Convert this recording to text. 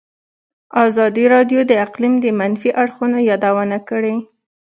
ازادي راډیو د اقلیم د منفي اړخونو یادونه کړې.